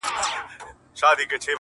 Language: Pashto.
د سړیو سره خواته مقبره کی ,